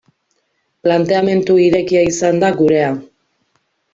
Planteamendu irekia izan da gurea.